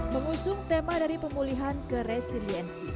mengusung tema dari pemulihan ke resiliensi